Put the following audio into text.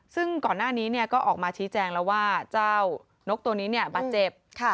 ซึ่งก่อนหน้านี้ก็ออกมาชี้แจงแล้วว่าเจ้านกตัวนี้บาดเจ็บ